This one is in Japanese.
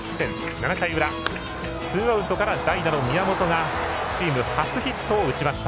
７回裏ツーアウトから代打の宮本がチーム初ヒットを打ちました。